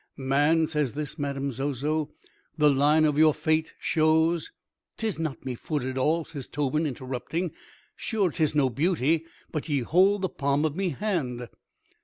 "Man," says this Madame Zozo, "the line of your fate shows—" "'Tis not me foot at all," says Tobin, interrupting. "Sure, 'tis no beauty, but ye hold the palm of me hand."